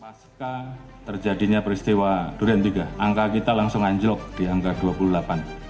pasca terjadinya peristiwa durian tiga angka kita langsung anjlok di angka dua puluh delapan